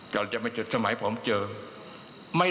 โสเพนี